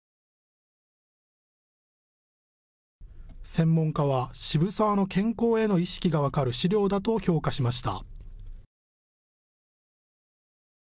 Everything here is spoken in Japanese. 専門家は渋沢の健康への意識が分かる資料だと評価しました。